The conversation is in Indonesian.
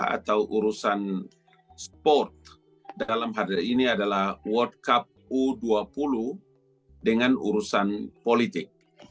atau urusan sport dalam hari ini adalah world cup u dua puluh dengan urusan politik